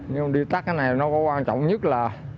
nhưng mà đi tắt cái này nó có quan trọng nhất là